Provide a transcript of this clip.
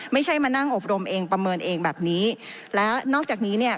ไม่ใช่มานั่งอบรมเองประเมินเองแบบนี้แล้วนอกจากนี้เนี่ย